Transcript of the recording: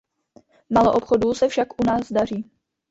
Maloobchodu se však u nás daří.